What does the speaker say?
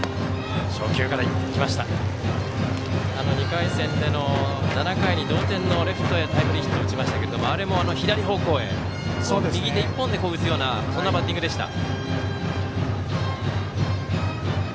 ２回戦での７回に同点のレフトへのタイムリーヒット打ちましたけどあれも左方向へ右手１本で打つようなそんなバッティングでした。